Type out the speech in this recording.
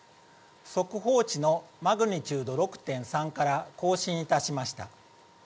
速報値のマグニチュード６．３から更新いたしました。